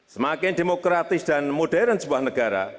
semakin demokratis dan modern sebuah negara